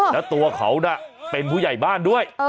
แล้วตัวเขาน่ะเป็นผู้ใหญ่บ้านด้วย